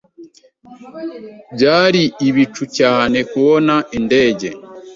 Byari ibicu cyane kubona indege.